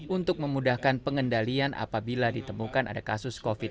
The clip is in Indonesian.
untuk memudahkan pengendalian apabila ditemukan ada kasus covid sembilan belas